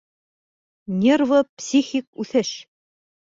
Нервы-психик үҫеш